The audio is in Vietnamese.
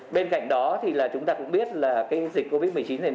bên cạnh đó chúng ta cũng biết là dịch covid một mươi chín này